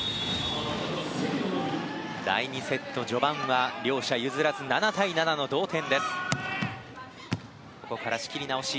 第２セット、序盤は両者譲らず７対７の同点。